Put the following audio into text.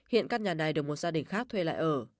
hiện căn nhà này được một gia đình khác thuê lại ở